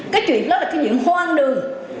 cái chuyện đó là cái chuyện hoang đường